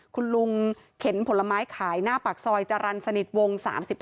คุณลุงเข็นผลไม้ขายหน้าปากซอยจรรย์สนิทวง๓๕